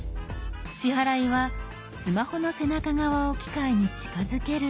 支払いはスマホの背中側を機械に近づけるだけ。